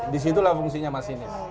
di situlah fungsinya masinis